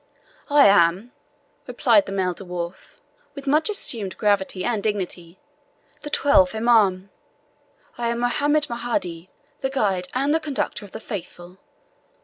"I am," replied the male dwarf, with much assumed gravity and dignity, "the twelfth Imaum. I am Mohammed Mohadi, the guide and the conductor of the faithful.